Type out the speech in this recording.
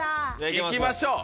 行きましょう。